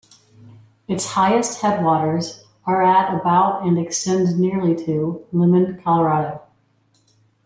Its highest headwaters are at about and extend nearly to Limon, Colorado.